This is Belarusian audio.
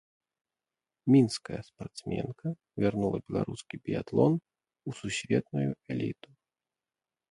Мінская спартсменка вярнула беларускі біятлон у сусветную эліту.